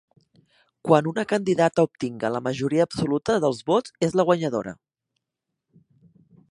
Quan una candidata obtinga la majoria absoluta dels vots és la guanyadora.